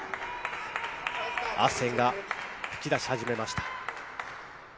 汗が噴き出し始めました。